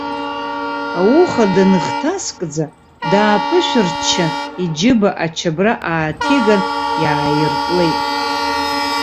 Ауха, даныхҭаскӡа, дааԥышәырччан, иџьыба ачабра ааҭиган иааиртлеит.